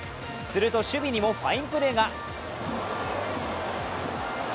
すると守備にもファインプレーが。